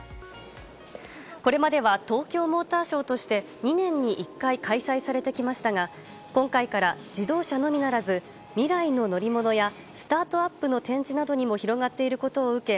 これまでは「東京モーターショー」として２年に１回開催されてきましたが今回から自動車のみならず未来の乗り物やスタートアップの展示などにも広がっていることを受け